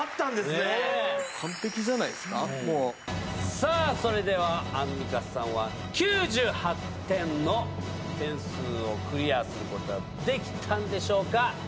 さぁアンミカさんは９８点の点数をクリアすることができたんでしょうか？